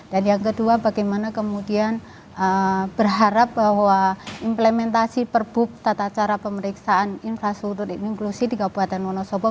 dan yang kedua bagaimana kemudian berharap bahwa implementasi per book tata cara pemeriksaan infrastruktur inklusif di kabupaten wonosobo